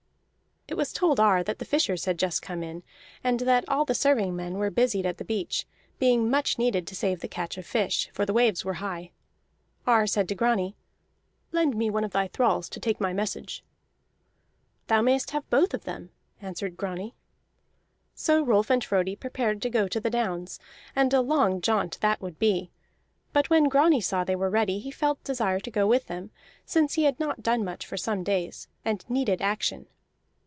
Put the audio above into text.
It was told Ar that the fishers had just come in, and that all the serving men were busied at the beach, being much needed to save the catch of fish, for the waves were high. Ar said to Grani: "Lend me one of thy thralls to take my message." "Thou mayest have both of them," answered Grani. So Rolf and Frodi prepared to go to the downs, and a long jaunt that would be. But when Grani saw they were ready he felt desire to go with them, since he had not done much for some days, and needed action.